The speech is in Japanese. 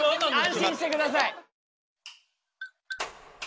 安心してください。